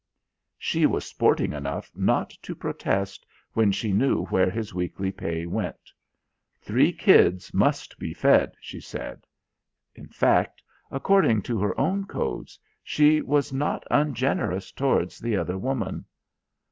She was sporting enough not to protest when she knew where his weekly pay went. "Three kids must be fed," she said. In fact, according to her own codes, she was not ungenerous towards the other woman.